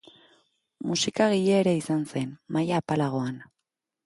Musikagile ere izan zen, maila apalagoan.